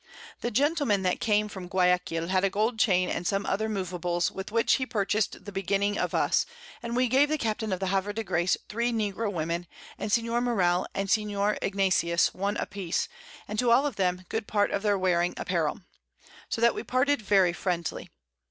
The Gentleman that came from Guiaquil had a Gold Chain and some other Moveables, with which he purchased the Beginning of us, and we gave the Captain of the Havre de Grace 3 Negroe Women, and Senior Morell, and Senior Ignatius, one a piece, and to all of them good part of their waring Apparel: So that we parted very friendly.